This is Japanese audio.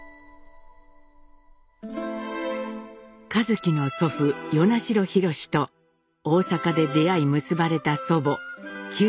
一輝の祖父与那城廣と大阪で出会い結ばれた祖母旧姓